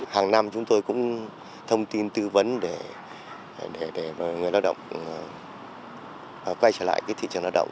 hàng năm chúng tôi cũng thông tin tư vấn để người lao động quay trở lại thị trường lao động